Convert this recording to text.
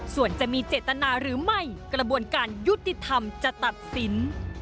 ส่วนจะมีเจตนาหรือไม่กระบวนการยุติธรรมจะตัดสิน